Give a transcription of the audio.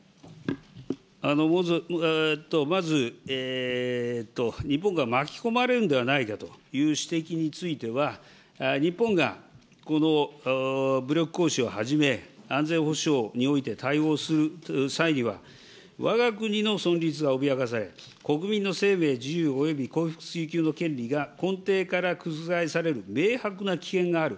まず、日本が巻き込まれるんではないかという指摘については、日本がこの武力行使をはじめ、安全保障において対応する際には、わが国の存立が脅かされ、国民の生命、自由、および幸福追求の権利が根底から覆される明白な危険がある、